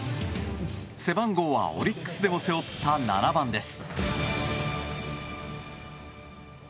背番号はオリックスでも背負った７番です。